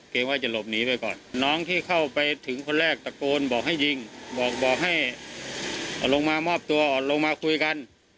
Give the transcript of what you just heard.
ว่าจะหลบหนีไปก่อนน้องที่เข้าไปถึงคนแรกตะโกนบอกให้ยิงบอกให้ลงมามอบตัวลงมาคุยกัน